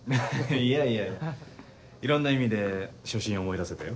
いやいやいろんな意味で初心を思い出せたよ。